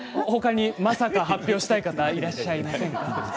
他にまさか発表したい方いらっしゃいませんか。